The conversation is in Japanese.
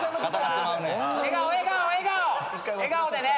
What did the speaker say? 笑顔でね。